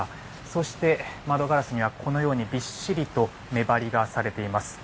そして、窓ガラスにはびっしりと目張りがされています。